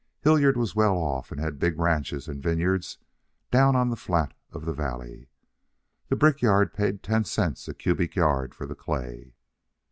Hillard was well off, and had big ranches and vineyards down on the flat of the valley. The brickyard paid ten cents a cubic yard for the clay.